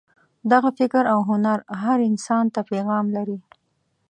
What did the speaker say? دغه فکر او هنر هر انسان ته پیغام لري.